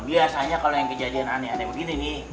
biasanya kalau yang kejadian aneh aneh begini nih